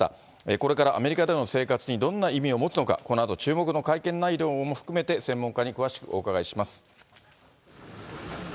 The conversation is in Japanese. これからアメリカでの生活にどんな意味を持つのか、このあと注目の会見内容も含めて、専門家に詳しくお伺いします。